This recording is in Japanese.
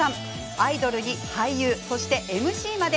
アイドルに俳優、そしてＭＣまで。